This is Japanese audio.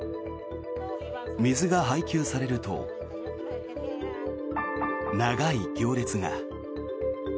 水が配給されると、長い行列が。